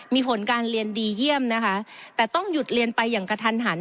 มีผลการเรียนดีเยี่ยมนะคะแต่ต้องหยุดเรียนไปอย่างกระทันหัน